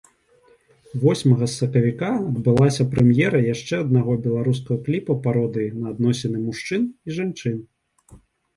Восьмага сакавіка адбылася прэм'ера яшчэ аднаго беларускага кліпа-пародыі на адносіны мужчын і жанчын.